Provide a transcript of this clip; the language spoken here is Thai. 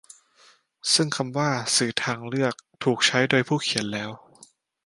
ซึ่งคำว่า 'สื่อทางเลือก' ถูกใช้โดยผู้เขียนแล้ว